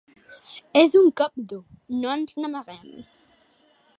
És un cop dur, no ens n’amaguem.